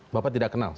bapak tidak kenal